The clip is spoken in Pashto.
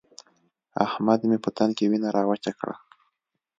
احمد مې په تن کې وينه راوچه کړه.